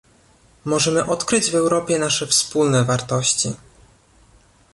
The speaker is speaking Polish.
Możemy odkryć w Europie nasze wspólne wartości